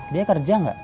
dia kerja gak